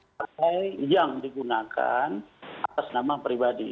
partai yang digunakan atas nama pribadi